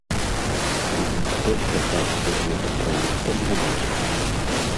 Тут ніхто спяшацца з гэтым праектам не будзе.